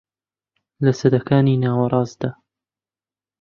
لە سەدەکانی ناوەڕاستدا